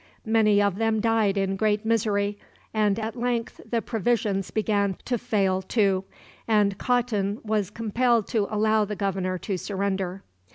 Many of them died in great misery, and at length the provisions began to fail too, and Khatun was compelled to allow the governor to surrender.